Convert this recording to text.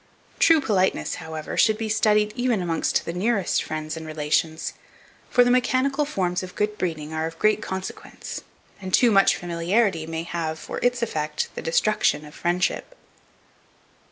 True politeness, however, should be studied even amongst the nearest friends and relations; for the mechanical forms of good breeding are of great consequence, and too much familiarity may have, for its effect, the destruction of friendship.